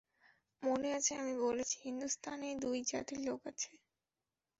মনে আছে আমি বলেছি হিন্দুস্তানে দুই জাতের লোক আছে।